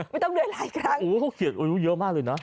ไม่ต้องเดินหลายครั้งโอ้โหเขาเขียนอายุเยอะมากเลยนะ